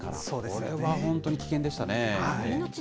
これは本当に危険でしたね。